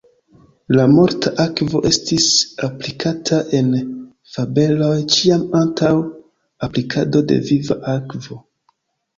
La morta akvo estis aplikata en fabeloj ĉiam antaŭ aplikado de viva akvo.